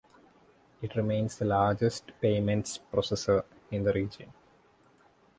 It remains the largest payments processor in the region.